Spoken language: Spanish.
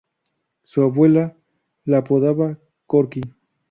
Su abuela lo apodaba "Corky".